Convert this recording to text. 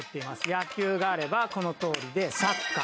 野球があればこのとおりでサッカー。